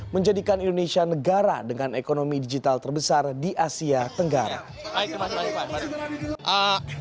menjadikan indonesia negara dengan ekonomi digital terbesar di asia tenggara